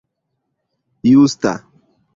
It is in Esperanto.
justa